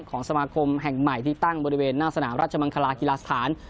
ของสมาคมแห่งใหม่ที่ตั้งบริเวณหน้าสนามราชมังคลากีฬาสถาน